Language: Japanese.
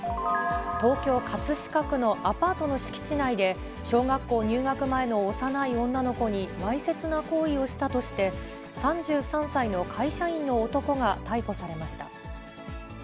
東京・葛飾区のアパートの敷地内で、小学校入学前の幼い女の子にわいせつな行為をしたとして、３３歳の会社員の男が逮捕されました。